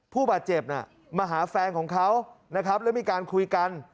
ผู้บาดเจ็บมาหาแฟนของเขานะครับแล้วมีการคุยกัน